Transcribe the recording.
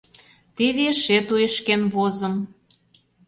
Теве эше туешкен возым.